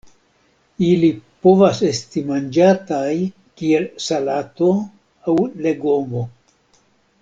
Ili povas esti manĝataj kiel salato aŭ legomo.